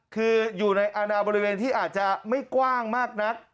คืออยู่ในอาณาบริเวณที่อาจจะไม่กว้างมากนัก